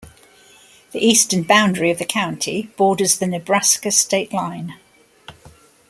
The eastern boundary of the County borders the Nebraska state line.